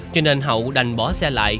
cho nên hậu đành bỏ xe lại